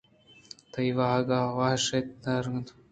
تئی واہگ ءُ واہشت ءِ رد ا نہ اِنت